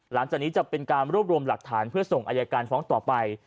หลังจากนี้จะเป็นการรวบรวมหลักฐานเพื่อส่งอายการฟ้องต่อไป